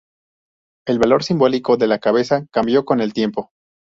El valor simbólico de la cabeza cambió con el tiempo.